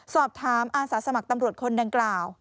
สอบถามอาสาสมัครตำรวจคนดังกล่าว